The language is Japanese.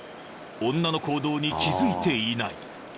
［女の行動に気付いていない］